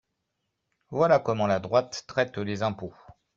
Voilà comment la droite traite les impôts